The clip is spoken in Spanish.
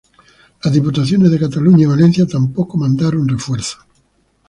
Las Diputaciones de Cataluña y Valencia tampoco mandaron refuerzos.